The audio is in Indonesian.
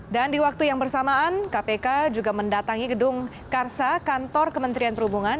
dan di waktu yang bersamaan kpk juga mendatangi gedung karsa kantor kementerian perhubungan